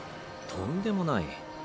とんでもない。